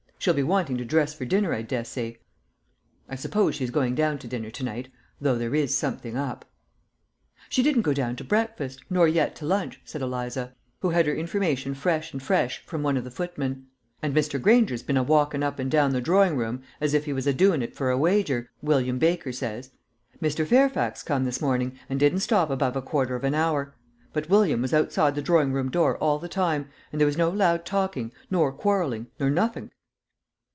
She'll be wanting to dress for dinner, I dessay. I suppose she's going down to dinner to night, though there is something up." "She didn't go down to breakfast, nor yet to lunch," said Eliza, who had her information fresh and fresh from one of the footmen; "and Mr. Granger's been a walking up and down the droring room as if he was a doing of it for a wager, William Baker says. Mr. Fairfax come this morning, and didn't stop above a quarter of a hour; but William was outside the droring room door all the time, and there was no loud talking, nor quarrelling, nor nothink."